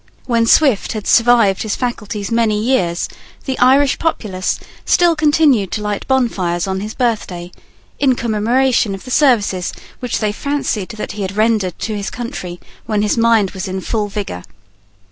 When Swift had survived his faculties many years, the Irish populace still continued to light bonfires on his birthday, in commemoration of the services which they fancied that he had rendered to his country when his mind was in full vigour.